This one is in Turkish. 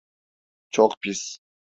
Çok pis.